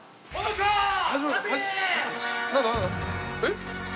えっ？